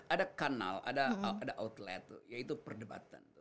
ada kanal ada outlet yaitu perdebatan